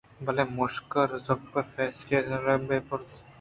بلے مُشک ژپّگ ءَفصیلی سِیلُمبے ءَ پُترت